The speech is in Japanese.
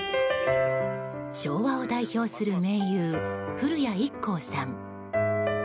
昭和を代表する名優古谷一行さん。